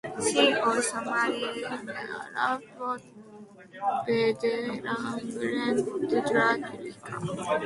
She also married Iraq war veteran Brent Dragila.